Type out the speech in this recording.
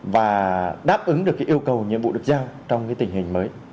và đáp ứng được cái yêu cầu nhiệm vụ được giao trong cái tình hình mới